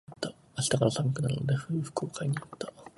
明日から寒くなるので、冬服を買いに行った。